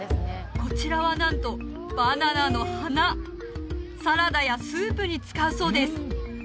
こちらはなんとバナナの花サラダやスープに使うそうです